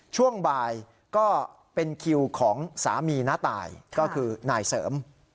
ช่วงบ่ายก็เป็นคิวของสามีน้าตายก็คือนายเสริม